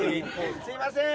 すいません。